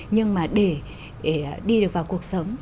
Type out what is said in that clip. nhưng mà để đi được vào cuộc sống